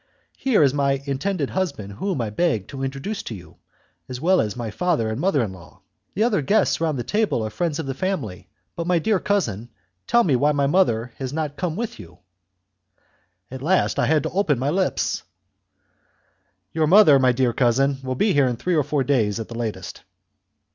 "Here is my intended husband whom I beg to introduce to you, as well as my father and mother in law. The other guests round the table are friends of the family. But, my dear cousin, tell me why my mother has not come with you?" At last I had to open my lips! "Your mother, my dear cousin, will be here in three or four days, at the latest."